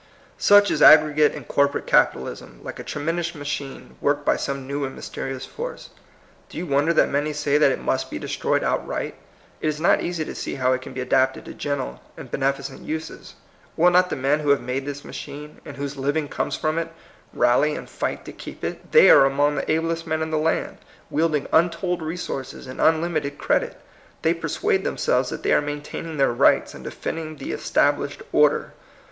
Such is aggregate and corporate capi talism, like a tremendous machine worked by some new and mysterious force. Do you wonder that many say that it must be destroyed outright? It is not easy to see how it can be adapted to gentle and beneficent uses. Will not the men who have made this machine, and whose living comes from it, rally and fight to keep it? They are among the ablest men in the land, wielding untold resources and unlim ited credit. They persuade themselves that they are maintaining their rights, and defending the established order.